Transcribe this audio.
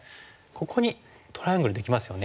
ここにトライアングルできますよね。